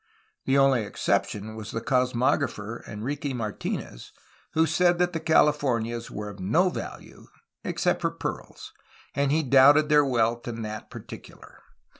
The only exception was the cosmographer Enrique Martinez, who said that the Californias were of no value, except for pearls, and he doubted their wealth in that particular.